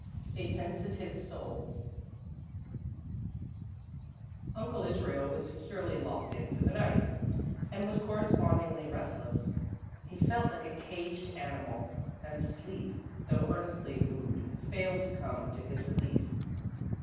XIII A Sensitive Soul Uncle Israel was securely locked in for the night, and was correspondingly restless. He felt like a caged animal, and sleep, though earnestly wooed, failed to come to his relief.